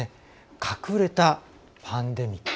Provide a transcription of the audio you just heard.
隠れたパンデミック。